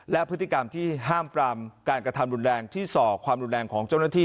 และพฤติกรรมที่ห้ามปรามการกระทำรุนแรงที่ส่อความรุนแรงของเจ้าหน้าที่